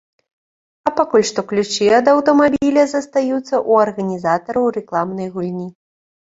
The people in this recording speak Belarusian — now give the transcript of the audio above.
А пакуль што ключы ад аўтамабіля застаюцца ў арганізатараў рэкламнай гульні.